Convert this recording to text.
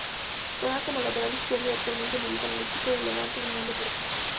Juega como lateral izquierdo y actualmente milita en el Equipo del Levante Unión Deportiva.